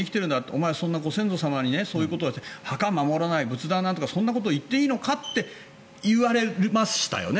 お前、ご先祖様にそんなことして墓を守らない、仏壇守らないそんなこと言っていいのかと言われましたよね。